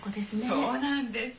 そうなんです。